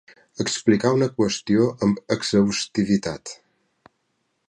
Explicar una qüestió amb exhaustivitat.